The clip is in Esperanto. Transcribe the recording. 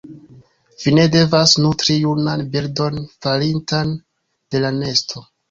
Vi ne devas nutri junan birdon falintan de la nesto.